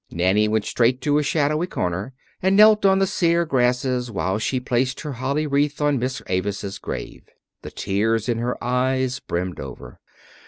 Nanny went straight to a shadowy corner and knelt on the sere grasses while she placed her holly wreath on Miss Avis's grave. The tears in her eyes brimmed over.